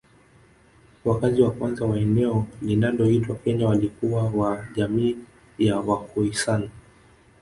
Wakazi wa kwanza wa eneo linaloitwa Kenya walikuwa wa jamii ya Wakhoisan